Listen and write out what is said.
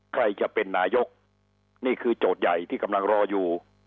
ใครจะเป็นนายกนี่คือโจทย์ใหญ่ที่กำลังรออยู่